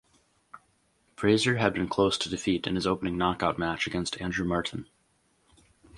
Fraser had been close to defeat in his opening knockout match against Andrew Martin.